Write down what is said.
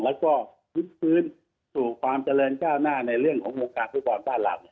แล้วก็คลิกพื้นสู่ความเจริญก้าวหน้าในเรื่องของโมงการที่กว่าต้านหลัง